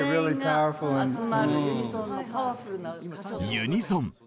「ユニゾン」